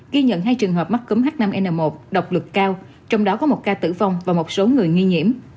ghi nhận hai trường hợp mắc cúm h năm n một độc lực cao trong đó có một ca tử vong và một số người nghi nhiễm